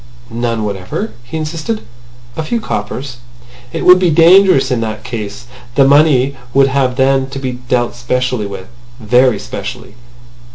"None whatever?" he insisted. "A few coppers." "It would be dangerous in that case. The money would have then to be dealt specially with. Very specially.